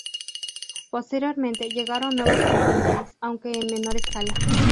Posteriormente, llegaron nuevas comunidades, aunque en menor escala.